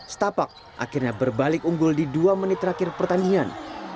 setapak akhirnya berbalik unggul di dua menit terakhir pertandingan